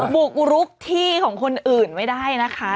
บุกรุกที่ของคนอื่นไม่ได้นะคะ